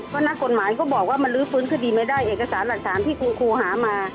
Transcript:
เพราะนักกฎหมายก็บอกว่ามันลื้อฟื้นคดีไม่ได้เอกสารหลักฐานที่คุณครูหามา